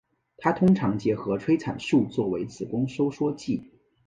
它通常结合催产素作为子宫收缩剂。